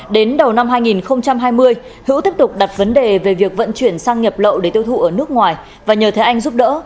đến đầu năm hai nghìn hai mươi hữu tiếp tục đặt vấn đề về việc vận chuyển sang nhập lậu để tiêu thụ ở nước ngoài và nhờ thế anh giúp đỡ